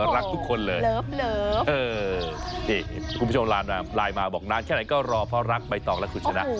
รักทุกคนเลยนี่คุณผู้ชมไลน์มาไลน์มาบอกนานแค่ไหนก็รอเพราะรักใบตองและคุณชนะ